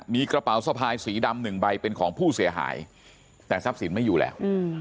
มีกระเป๋าสะพายสีดำหนึ่งใบเป็นของผู้เสียหายแต่ทรัพย์สินไม่อยู่แล้ว